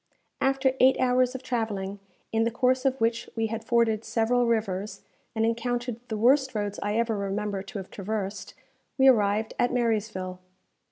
After eight hours of travelling, in the course of which we had forded several rivers, and encountered the worst roads I ever remember to have traversed, we arrived at Marysville.